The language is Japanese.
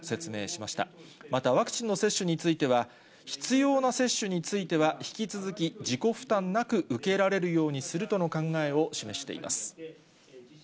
また、ワクチンの接種については、必要な接種については引き続き自己負担なく受けられるようにするとの考えを示しています。